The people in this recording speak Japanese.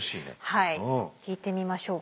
はい聞いてみましょうか。